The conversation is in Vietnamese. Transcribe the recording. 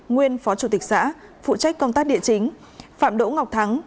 nguyên phó chủ tịch xã phụ trách công tác địa chính phạm đỗ ngọc thắng